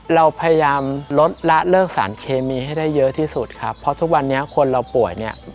เราพยายามลดละเลิกสารเคมีให้ได้เยอะที่สุดครับเพราะทุกวันนี้คนเราป่วยเนี่ย